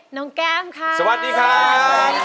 ด้านล่างเขาก็มีความรักให้กันนั่งหน้าตาชื่นบานมากเลยนะคะ